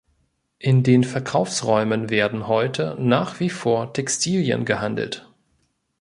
In den Verkaufsräumen werden heute nach wie vor Textilien gehandelt.